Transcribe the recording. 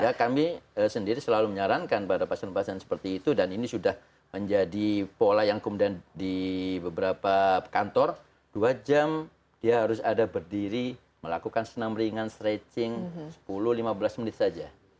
ya kami sendiri selalu menyarankan pada pasien pasien seperti itu dan ini sudah menjadi pola yang kemudian di beberapa kantor dua jam dia harus ada berdiri melakukan senam ringan stretching sepuluh lima belas menit saja